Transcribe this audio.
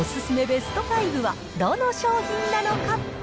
ベスト５はどの商品なのか。